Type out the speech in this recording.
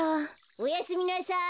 ・おやすみなさい！